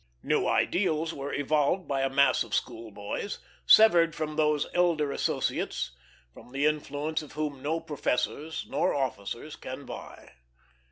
New ideals were evolved by a mass of school boys, severed from those elder associates with the influence of whom no professors nor officers can vie.